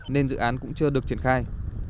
nên dự án cũng chưa được triển khai